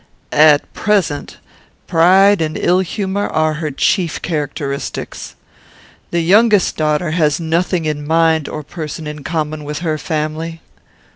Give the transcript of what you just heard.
At present, pride and ill humour are her chief characteristics. "The youngest daughter has nothing in mind or person in common with her family.